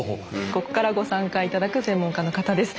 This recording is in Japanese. ここからご参加頂く専門家の方です。